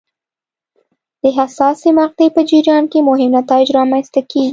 د حساسې مقطعې په جریان کې مهم نتایج رامنځته کېږي.